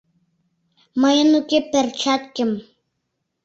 Мыйын уке перчаткем.